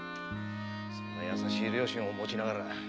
そんな優しい両親を持ちながら。